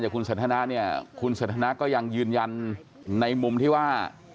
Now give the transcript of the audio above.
ก็ยังยืนยันในมุมที่ว่า